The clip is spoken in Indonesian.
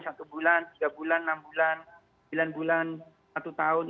satu bulan tiga bulan enam bulan sembilan bulan satu tahun